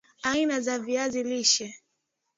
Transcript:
aina za viazi lishe